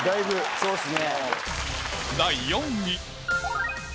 そうっすね。